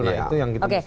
nah itu yang kita mesti